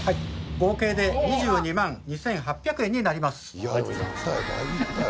合計で２２万２，８００円になります。